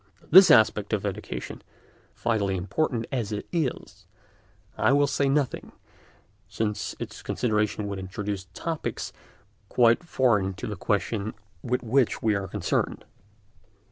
Of this aspect of education, vitally important as it is, I will say nothing, since its consideration would introduce topics quite foreign to the question with which we are concerned.